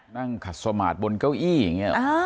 นั่งขัดสมาร์ทบนเก้าอี้อย่างนี้